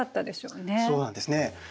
そうなんですね。